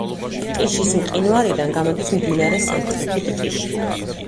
პტიშის მყინვარიდან გამოდის მდინარე სამხრეთი პტიში.